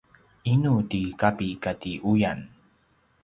inu ti kapi kati uyan?